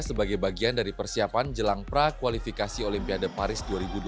sebagai bagian dari persiapan jelang prakualifikasi olimpiade paris dua ribu dua puluh